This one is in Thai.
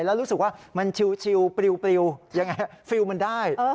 แล้วรู้สึกว่ามันชิลปลิวยังไงฟิลล์มันได้